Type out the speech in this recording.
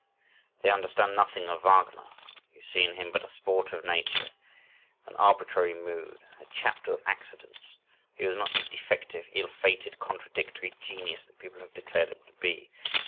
They understand nothing of Wagner who see in him but a sport of nature, an arbitrary mood, a chapter of accidents. He was not the "defective," "ill fated," "contradictory" genius that people have declared him to be.